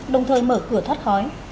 đồng thời mở cửa thoát khói